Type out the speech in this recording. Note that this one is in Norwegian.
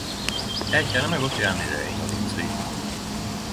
Eg kjenner meg godt igjen i det Inger Line skriv under.